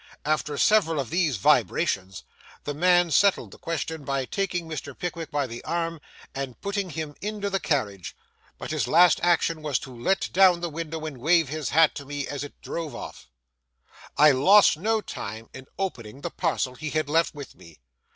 After several of these vibrations, the man settled the question by taking Mr. Pickwick by the arm and putting him into the carriage; but his last action was to let down the window and wave his hat to me as it drove off. I lost no time in opening the parcel he had left with me.